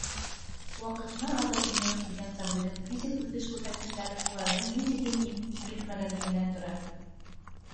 Ваҡытынан алда донъяға килгән сабыйҙың физик үҫеш күрһәткестәре уларҙың ни тиклем етлекмәгәнлегенән тора.